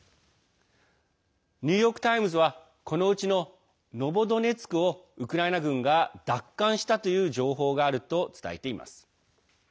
ニューヨーク・タイムズはこのうちのノボドネツクをウクライナ軍が奪還したという情報があると伝えています。